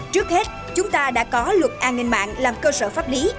trước hết chúng ta đã có luật an ninh mạng làm cơ sở pháp lý